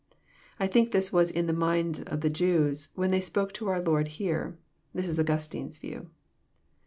I think this was in the minds of the Jews, when they spoke to our Lord here. This is Augustine's view.